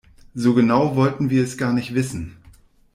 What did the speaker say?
So genau wollten wir es gar nicht wissen.